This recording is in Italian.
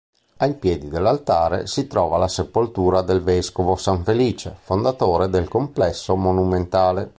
Ai piedi dell'altare si trova la sepoltura del vescovo Sanfelice, fondatore del complesso monumentale.